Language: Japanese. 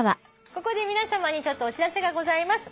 ここで皆さまにちょっとお知らせがございます。